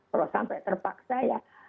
kalau sampai terpaksa ya